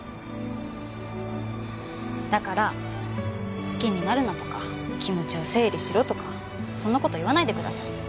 だから好きになるなとか気持ちを整理しろとかそんな事言わないでください。